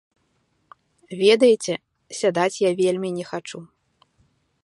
Ведаеце, сядаць я вельмі не хачу.